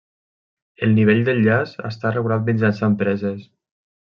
El nivell del llac està regulat mitjançant preses.